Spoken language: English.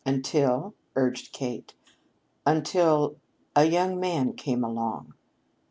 "Until " urged Kate. "Until a young man came along.